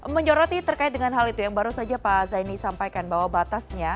menyoroti terkait dengan hal itu yang baru saja pak zaini sampaikan bahwa batasnya